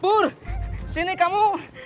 pur sini kamu